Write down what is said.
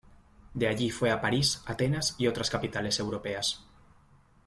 De allí fue a París, Atenas y otras capitales europeas.